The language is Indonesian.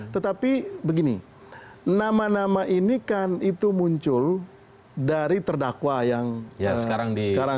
tetapi begini nama nama ini kan itu muncul dari terdakwa yang sekarang